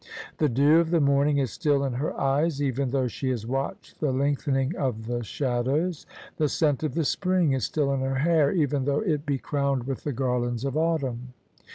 The dew of the morning is still in her eyes, even though she has watched the lengthening of the shadows: the scent of the spring is still in her hair, even though it be crowned with the garlands of autumn.